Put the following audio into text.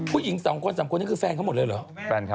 ผู้หญิงสองคน๓คนนี้คือแฟนเขาหมดเลยเหรอ